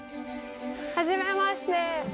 はじめまして。